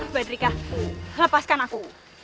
badrika lepaskan aku